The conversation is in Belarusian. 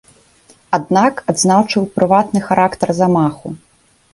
Аднак, адзначыў прыватны характар замаху.